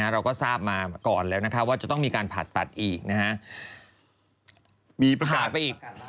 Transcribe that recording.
เราก็ทราบมาก่อนแล้วว่าจะต้องมีการผ่าตัดอีก